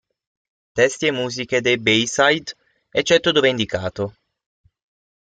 Testi e musiche dei Bayside, eccetto dove indicato.